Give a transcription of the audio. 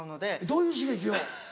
どういう刺激を？